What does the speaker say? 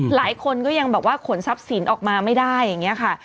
หลายคนก็ยังแบบว่าขนทรัพย์สินออกมาไม่ได้อย่างนี้ค่ะ